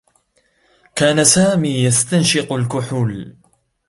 كان سامي يستنشق الكحول.